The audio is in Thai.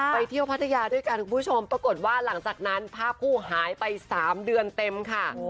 ไปเที่ยวพัทยาด้วยกันคุณผู้ชมปรากฏว่าหลังจากนั้นภาพคู่หายไป๓เดือนเต็มค่ะ